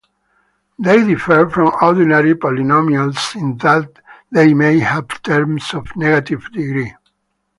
They differ from ordinary polynomials in that they may have terms of negative degree.